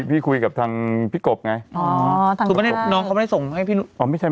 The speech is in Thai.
พี่คุยกับทางพี่กบไงอ๋อทางกบน้องเขาไม่ได้ส่งให้พี่หนู